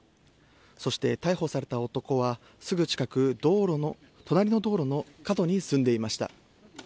そして逮捕された男は、すぐ近く、隣の道路の角に住んでいました。